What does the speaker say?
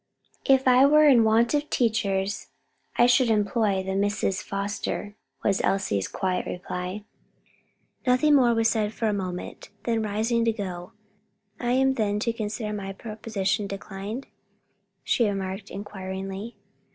"If I were in want of teachers, I should employ the Misses Foster," was Elsie's quiet reply. Nothing more was said for a moment, then rising to go, "I am then to consider my proposition declined?" she remarked, inquiringly.